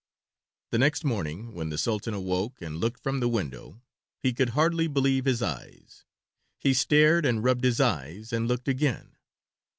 The next morning, when the Sultan awoke and looked from the window, he could hardly believe his eyes. He stared, and rubbed his eyes, and looked again.